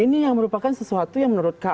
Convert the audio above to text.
ini yang merupakan sesuatu yang menurut